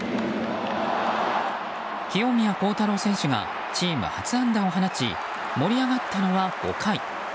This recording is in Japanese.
清宮幸太郎選手がチーム初安打を放ち盛り上がったのは５回。